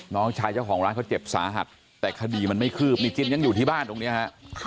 น้องชายเจ้าของร้านเขาเจ็บสาหัสแต่คดีมันไม่คืบนี่จินยังอยู่ที่บ้านตรงนี้ฮะ